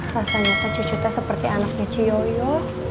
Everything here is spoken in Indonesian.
rasanya cucunya seperti anaknya ciyoyo